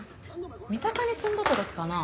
三鷹に住んどったときかな。